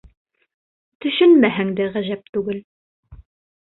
— Төшөнмәһәң дә ғәжәп түгел.